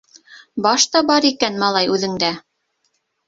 Баш та бар икән малай үҙеңдә!